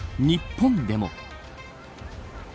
日本でも。